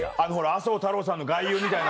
麻生太郎さんの外遊みたいな。